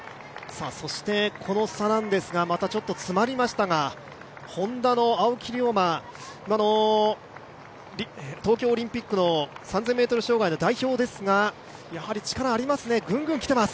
この差なんですが、詰まりましたがＨｏｎｄａの青木涼真、東京オリンピックの３０００ｍ障害の代表ですが、代表ですが、やはり力ありますね。